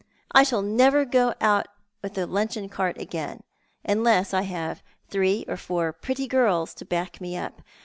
I shall never go out with the luncheon cart again, unless I have three or four pretty girls to back me up.